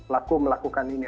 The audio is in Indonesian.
laku melakukan ini